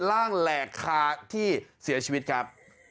ล่างเอลาส์ขาที่เสียชีวิตกับ